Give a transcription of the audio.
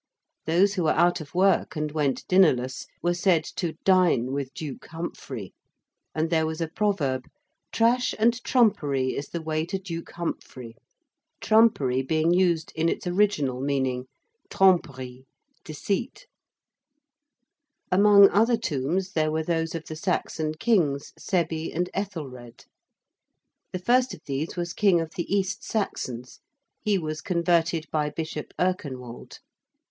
Those who were out of work and went dinnerless were said to dine with Duke Humphrey: and there was a proverb 'Trash and trumpery is the way to Duke Humphrey.' Trumpery being used in its original meaning tromperie deceit. Among other tombs there were those of the Saxon Kings Sebbi and Ethelred. The first of these was King of the East Saxons. He was converted by Bishop Erkenwald.